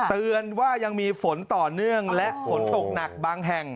เตือนว่ายังมีฝนต่อเนื่องและฝนตกหนักบางแห่ง